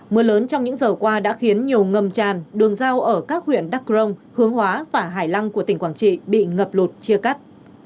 mưa lớn trong những giờ qua đã khiến nhiều ngầm tràn đường giao ở các huyện đắk rông hướng hóa và hải lăng của tỉnh quảng trị bị ngập lụt chia cắt